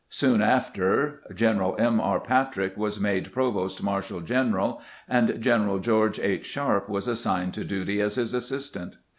Soon after General M. E. Patrick was made provost marshal general, and General George H. Sharpe was assigned to duty as his assistant.